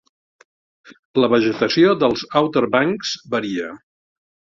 La vegetació dels Outer Banks varia.